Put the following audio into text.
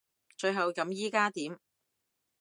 最後咁依家點？